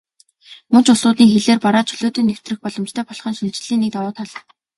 Муж улсуудын хилээр бараа чөлөөтэй нэвтрэх боломжтой болох нь шинэчлэлийн нэг давуу тал.